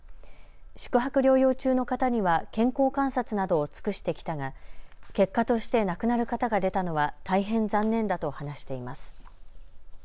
宿泊療養中の方には健康観察などを尽くしてきたが結果として亡くなる方が出たのは大変残念だと話しています。